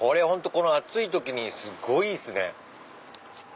この暑い時にすごいいいっすね。